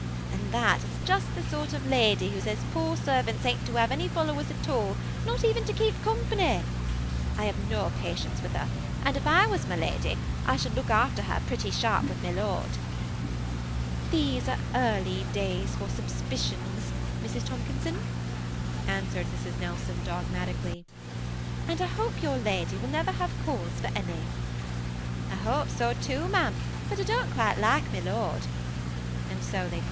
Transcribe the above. And that is just the sort of lady who says poor servants ain't to have any followers at all, not even to keep company. I have no patience with her ; and if I was my lady, I should look after her pretty sharp w4th my lord." " These are early days for subspicions, Mrs. Tomkin son," answered Mrs. Nelson, dogmatically; "and I hope your lady will never have cause for any." " I hope so too, ma'am ; but I don't quite like my lord;" and so they parted.